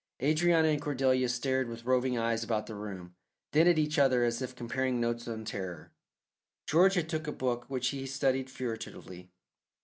Adrianna and Cordelia stared with roving eyes about the room, then at each other as if comparing notes on terror. George had a book which he studied furtively.